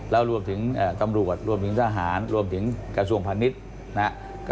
แล้วรวมถึงตำรวจรวมถึงทหารรวมถึงกระทรวงพาณิชย์นะครับ